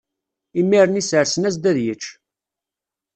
Imir-nni sersen-as-d ad yečč.